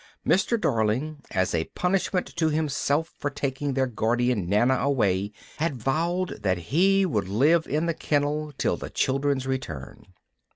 Mr. Darling, as a punishment to himself for taking their guardian Nana away, had vowed that he would live in the kennel till his children's return.